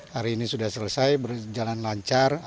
hari ini sudah selesai berjalan lancar